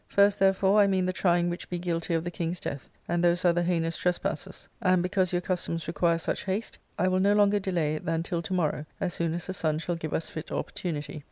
First, therefore, I mean the trying which be guilty of the king's death, and those other heinous trespasses ; and because your customs require such haste, I will no longer delay it than till to morrow, as soon as the sun shall give us fit opportunity.